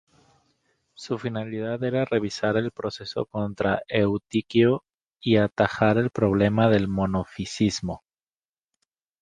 Su finalidad era revisar el proceso contra Eutiquio, y atajar el problema del monofisismo.